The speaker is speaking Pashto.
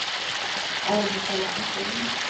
ایا مطالعه کوئ؟